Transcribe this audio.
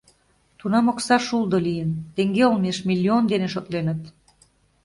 Тунам окса шулдо лийын, теҥге олмеш миллион дене шотленыт.